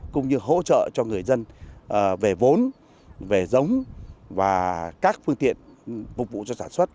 cũng như hỗ trợ cho người dân về vốn về giống và các phương tiện phục vụ cho sản xuất